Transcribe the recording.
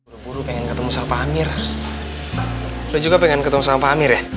buru buru pengen ketemu sama pak amir udah juga pengen ketemu sama pak amir ya